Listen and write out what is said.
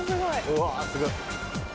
うわすごい。